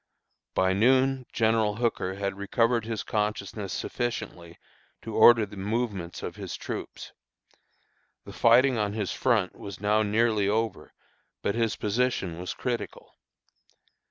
By noon General Hooker had recovered his consciousness sufficiently to order the movements of his troops. The fighting on his front was now nearly over, but his position was critical.